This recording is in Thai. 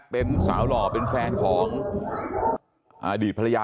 เป็นสาวหล่อเป็นแฟนของอดีตภรรยา